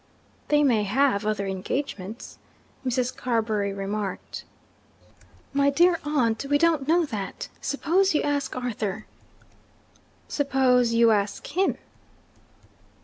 'They may have other engagements,' Mrs. Carbury remarked. 'My dear aunt, we don't know that! Suppose you ask Arthur?' 'Suppose you ask him?'